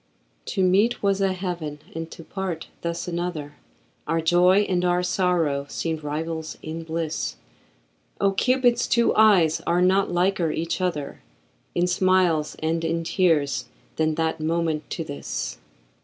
To meet was a heaven and to part thus another, Our joy and our sorrow seemed rivals in bliss; Oh! Cupid's two eyes are not liker each other In smiles and in tears than that moment to this.